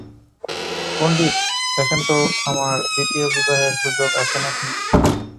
পন্ডিত, দেখেন তো, আমার দ্বিতীয় বিবাহের সুযোগ আছে নাকি?